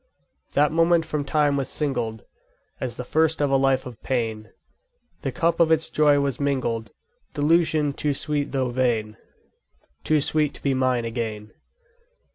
_10 3. That moment from time was singled As the first of a life of pain; The cup of its joy was mingled Delusion too sweet though vain! Too sweet to be mine again.